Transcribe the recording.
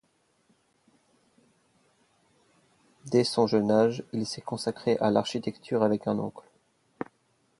Dès son jeune âge, il s'est consacré à l'architecture avec un oncle.